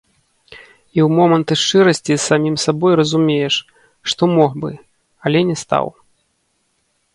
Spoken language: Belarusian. І ў моманты шчырасці з самім сабой разумееш, што мог бы, але не стаў.